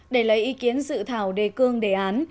để lấy ý kiến dự thảo đề cương đề án